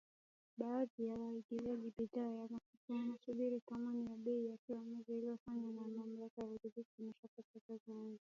Baadhi ya waagizaji bidhaa ya mafuta wanasubiri tathmini ya bei kila mwezi inayofanywa na Mamlaka ya Udhibiti wa Nishati na Petroli Aprili kumi na nne.